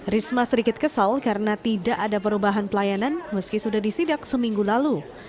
risma sedikit kesal karena tidak ada perubahan pelayanan meski sudah disidak seminggu lalu